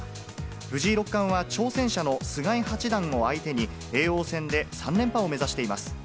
藤井六冠は、挑戦者の菅井八段を相手に、叡王戦で３連覇を目指しています。